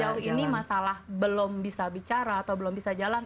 jadi dia sejauh ini masalah belum bisa bicara atau belum bisa jalan